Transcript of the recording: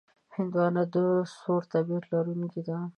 هندوانه د سوړ طبیعت لرونکې ده.